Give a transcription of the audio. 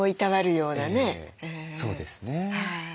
そうですね。